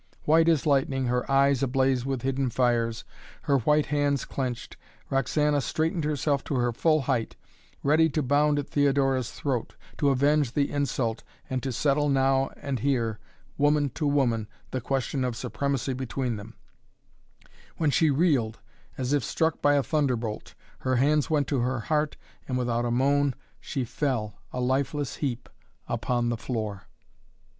White as lightning, her eyes ablaze with hidden fires, her white hands clenched, Roxana straightened herself to her full height, ready to bound at Theodora's throat, to avenge the insult and to settle now and here, woman to woman, the question of supremacy between them, when she reeled as if struck by a thunderbolt. Her hands went to her heart and without a moan she fell, a lifeless heap, upon the floor.